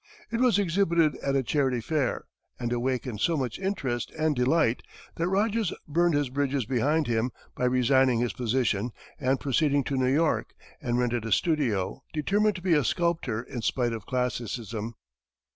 It was exhibited at a charity fair, and awakened so much interest and delight that Rogers burned his bridges behind him by resigning his position, and proceeded to New York, and rented a studio, determined to be a sculptor in spite of classicism.